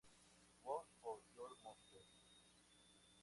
Who's Your Monster?